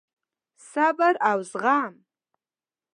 صبر او زغم: